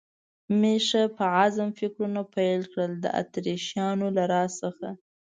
مې ښه په عزم فکرونه پیل کړل، د اتریشیانو له راز څخه.